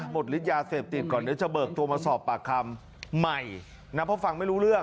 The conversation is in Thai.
หมดลิศยาเสพติตก่อน